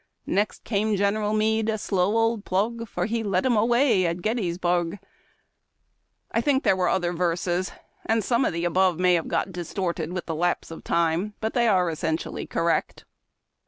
Next came General Meade, a slow old plug, For he let them away at Gettysburg. I think that there were other verses, and some of the above may have got distorted with the hipse of time. But they are essential!}^ correct.